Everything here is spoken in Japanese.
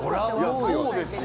いやそうですよ。